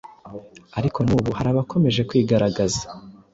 ariko n’ubu hari abakomeje kwigaragaza